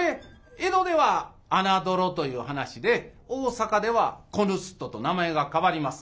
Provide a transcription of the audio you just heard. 江戸では「穴どろ」という噺で大坂では「子盗人」と名前が変わります。